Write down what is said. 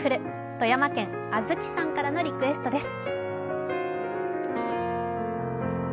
富山県、あずきさんからのリクエストです。